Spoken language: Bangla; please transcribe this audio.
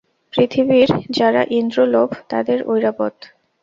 পৃথিবীর যারা ইন্দ্র লোভ তাদের ঐরাবত।